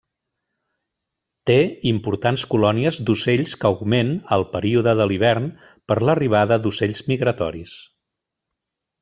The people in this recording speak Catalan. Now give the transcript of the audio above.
Té importants colònies d'ocells que augment al període de l'hivern per l'arribada d'ocells migratoris.